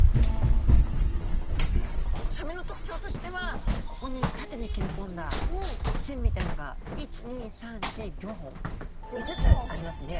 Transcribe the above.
サメの特徴としてはここに縦に切れ込んだ線みたいのが１２３４ギョ本５つありますね。